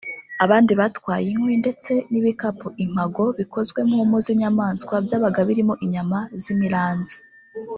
abandi batwaye inkwi ndetse n’ibikapu (impago) bikozwe mu mpu z’inyamaswa byabaga birimo inyama z’imiranzi